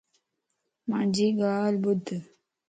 مانجي ڳالھ ٻڌ